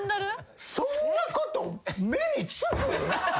そんなこと目につく？